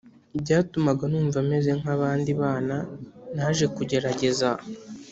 byatumaga numva meze nk abandi bana naje kugerageza